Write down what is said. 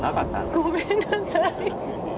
ごめんなさい。